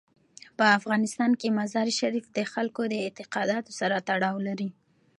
په افغانستان کې مزارشریف د خلکو د اعتقاداتو سره تړاو لري.